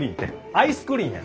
アイスクリンや！